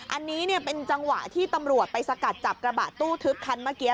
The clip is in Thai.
อันนี้เป็นจังหวะที่ตำรวจไปสกัดจับกระบะตู้ทึบคันเมื่อกี้